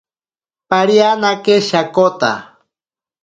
Parianake shakota.